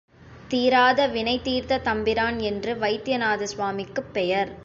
தீராத வினை தீர்த்த தம்பிரான் என்று வைத்தியநாத சுவாமிக்குப் பெயர்.